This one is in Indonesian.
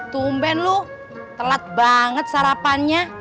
tumben loh telat banget sarapannya